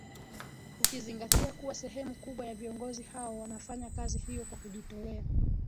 ukizingatia kuwa sehemu kubwa ya viongozi hao wanafanya kazi hiyo kwa kujitolea